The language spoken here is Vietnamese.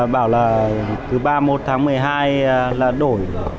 bảo là thứ ba mươi một tháng một mươi hai là đổi